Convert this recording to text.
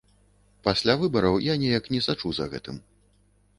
Пасля выбараў я неяк не сачу за гэтым.